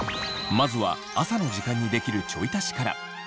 まずは朝の時間にできるちょい足しから。